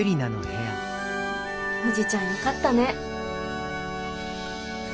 おじちゃんよかったね。